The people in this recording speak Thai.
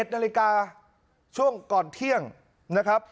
๑นาฬิกาช่วงก่อนเที่ยงนะครับ